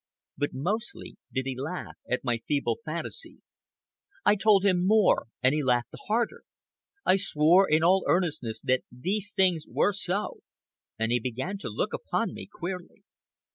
But mostly did he laugh at my feeble fancy. I told him more, and he laughed the harder. I swore in all earnestness that these things were so, and he began to look upon me queerly.